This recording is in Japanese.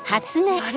あれ？